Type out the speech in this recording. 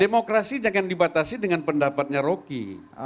demokrasi jangan dibatasi dengan pendapatnya rocky